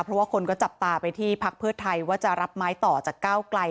เพราะว่าคนก็จับตาไปที่พลักธรรมิตรเพชรไทยว่าจะรับไม้ต่อจากเก้าไกล